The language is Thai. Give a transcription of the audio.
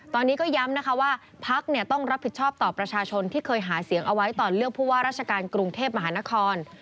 ตอนนี้ก็ย้ำนะคะว่าพักต้องรับผิดชอบต่อประชาชนที่เคยหาเสียงเอาไว้ตอนเลือกผู้ว่าราชการกรุงเทพมหานคร